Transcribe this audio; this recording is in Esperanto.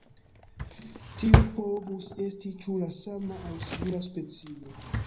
Tiu povus esti ĉu la sama aŭ simila specio.